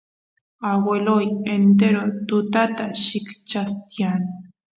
agueloy entero tutata llikchas tiyan